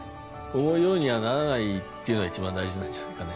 思うようにはならないっていうのが一番大事なんじゃないかね。